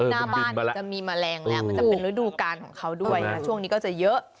หน้าบ้านจะมีแมลงแล้วมันจะเป็นฤดูการของเขาด้วยนะช่วงนี้ก็จะเยอะ